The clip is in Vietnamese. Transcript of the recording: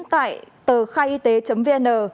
tại tờ khaiyt vn